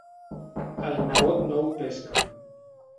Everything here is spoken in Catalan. El nebot no ho pesca.